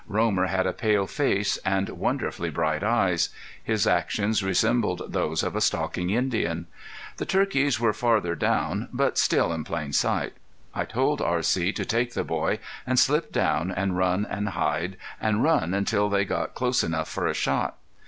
Romer had a pale face and wonderfully bright eyes; his actions resembled those of a stalking Indian. The turkeys were farther down, but still in plain sight. I told R.C. to take the boy and slip down, and run and hide and run till they got close enough for a shot.